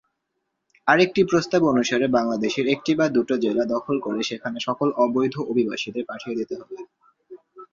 আরেকটি প্রস্তাব অনুসারে বাংলাদেশের একটি বা দুটো জেলা দখল করে সেখানে সকল অবৈধ অভিবাসীদের পাঠিয়ে দিতে হবে।